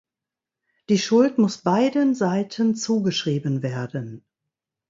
Die Schuld muss beiden Seiten zugeschrieben werden.